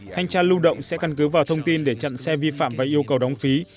thanh tra lưu động sẽ căn cứ vào thông tin để chặn xe vi phạm và yêu cầu đóng phí